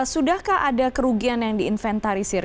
sudahkah ada kerugian yang diinventarisir